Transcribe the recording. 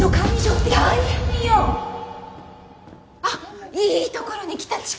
あっいいところに来た。